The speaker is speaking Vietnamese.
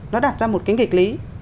nó đặt ra một cái nghịch lý